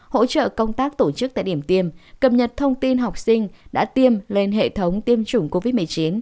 hỗ trợ công tác tổ chức tại điểm tiêm cập nhật thông tin học sinh đã tiêm lên hệ thống tiêm chủng covid một mươi chín